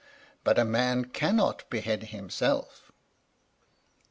But a man cannot behead himself.